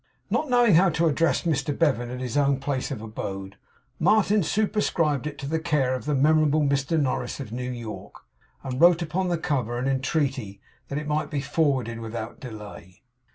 Not knowing how to address Mr Bevan at his own place of abode, Martin superscribed it to the care of the memorable Mr Norris of New York, and wrote upon the cover an entreaty that it might be forwarded without delay.